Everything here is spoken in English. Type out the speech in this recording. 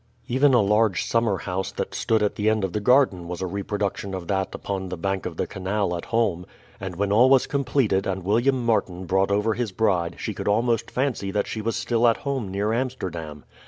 Even a large summer house that stood at the end of the garden was a reproduction of that upon the bank of the canal at home; and when all was completed and William Martin brought over his bride she could almost fancy that she was still at home near Amsterdam.